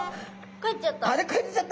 帰っちゃった。